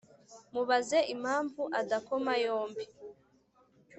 mubaze impamvu adakoma yombi